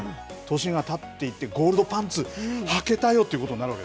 年がたっていって、ゴールドパンツはけたよっていうことになるわ